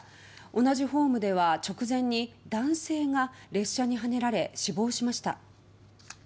同じホームでは直前に男性が列車にはねられ死亡しました。